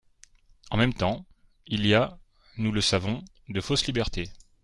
En même temps, il y a, nous le savons, de fausses libertés.